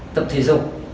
tập thể dục